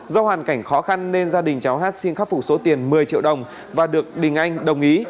do hoàn cảnh khó khăn nên gia đình cháu hát xin khắc phục số tiền một mươi triệu đồng và được đình anh đồng ý